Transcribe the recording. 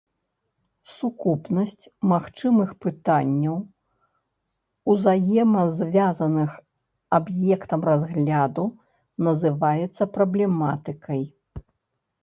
Сукупнасць магчымых пытанняў, узаемазвязаных аб'ектам разгляду, называецца праблематыкай.